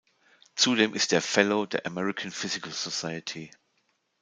Zudem ist er Fellow der American Physical Society.